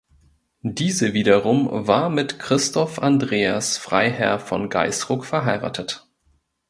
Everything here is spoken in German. Diese wiederum war mit Christoph Andreas Freiherr von Gaisruck verheiratet.